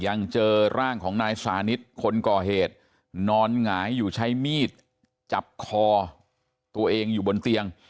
ยังเจอร่างของนายสานิทคนก่อเหตุนอนหงายอยู่ใช้มีดจับคอตัวเองอยู่บนเตียง